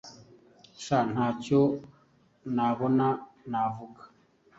sha ntacyo nabona navuga